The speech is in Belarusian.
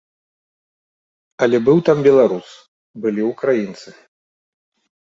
Але быў там беларус, былі ўкраінцы.